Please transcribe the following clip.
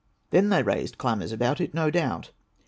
Then they raised clamours about it, no doubt.